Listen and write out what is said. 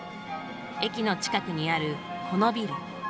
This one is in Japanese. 駅の近くにあるこのビル。